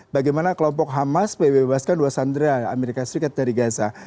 bagaimana kelompok hamas bebebaskan dua sandera as dari gaza